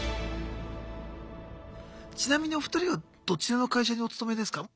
ちなみにお二人はどちらの会社にお勤めですか？